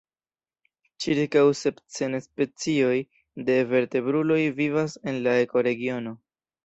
Ĉirkaŭ sep cent specioj de vertebruloj vivas en la ekoregiono.